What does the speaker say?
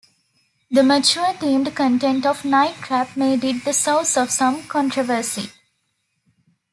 The mature themed content of "Night Trap" made it the source of some controversy.